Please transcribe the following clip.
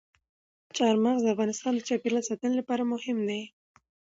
چار مغز د افغانستان د چاپیریال ساتنې لپاره مهم دي.